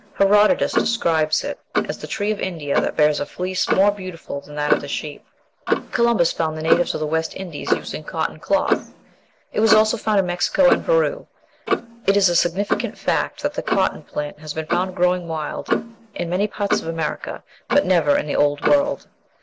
Herodotus describes it (450 B.C.) as the tree of India that bears a fleece more beautiful than that of the sheep. Columbus found the natives of the West Indies using cotton cloth. It was also found in Mexico and Peru. It is a significant fact that the cotton plant has been found growing wild in many parts of America, but never in the Old World.